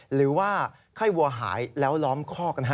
หรือว่าไข้วัวหายแล้วล้อมคอกนะฮะ